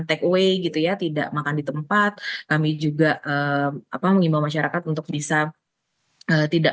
take away gitu ya tidak makan di tempat kami juga apa mengimbau masyarakat untuk bisa tidak